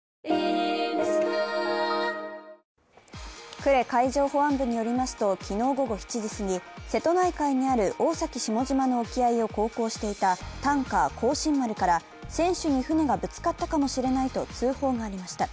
呉海上保安部によりますと昨日午後７時すぎ、瀬戸内海にある大崎下島の沖合を航行していたタンカー「光辰丸」から船首に船がぶつかったかもしれないと通報がありました。